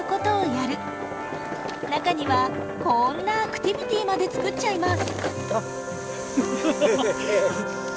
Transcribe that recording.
中にはこんなアクティビティーまでつくっちゃいます。